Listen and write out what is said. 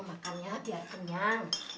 ayo makan ya biar kenyang